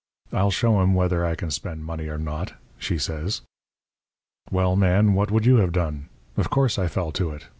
I'll show 'em whether I can spend money or not,' she says. "Well, Man, what would you have done? Of course, I fell to it.